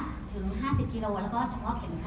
เพราะฉะนั้นผมอยากแสดงสิ่งต่างของความภูมิของเรา